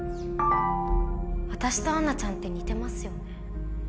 私とアンナちゃんって似てますよね。